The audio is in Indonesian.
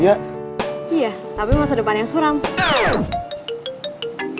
iya tapi masa depan yang suram